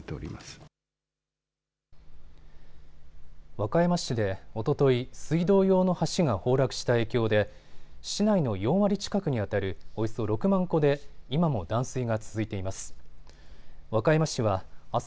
和歌山市でおととい水道用の橋が崩落した影響で市内の４割近くにあたるおよそ６万戸で今も断水が続いています。